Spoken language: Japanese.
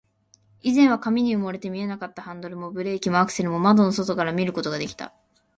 以前は紙に埋もれて見えなかったハンドルも、ブレーキも、アクセルも、窓の外から見ることができた